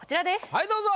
はいどうぞ。